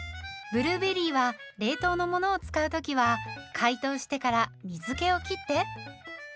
ブルーベリーは冷凍のものを使う時は解凍してから水けを切って。